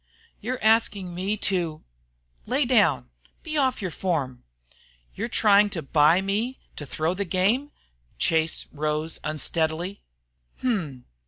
"You're asking me to " "Lay down, be off your form " "You're trying to buy me to throw the game?" Chase rose unsteadily. "Hum!